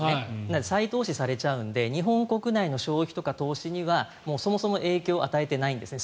再投資されちゃうので日本国内の消費とか投資にはそもそも影響を与えてないんですね。